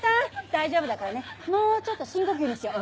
大丈夫だからねもうちょっと深呼吸にしよう。